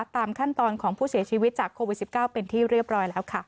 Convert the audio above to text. ตามขั้นตอนของผู้เสียชีวิตจากโควิด๑๙เป็นที่เรียบร้อยแล้วค่ะ